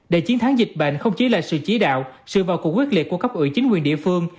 để chiến thắng dịch bệnh không chỉ là sự chí đạo sự vào cuộc quyết liệt của cấp ủy chính quyền địa phương